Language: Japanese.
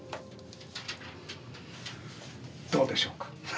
どうでしょうか？